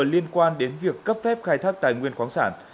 liên quan đến việc cấp phép khai thác tài nguyên khoáng sản